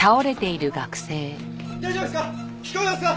大丈夫ですか？